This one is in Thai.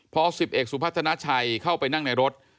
พอ๑๐เอกสุพัฒนาชัยเข้าไปนั่งในรถ